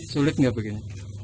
sulit gak bikin